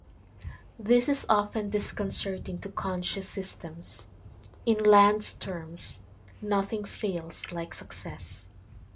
This is often disconcerting to conscious systems; in Land's terms, nothing fails like success.